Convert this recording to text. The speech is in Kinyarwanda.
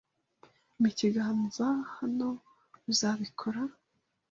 Mpa ikiganza hano, uzabikora?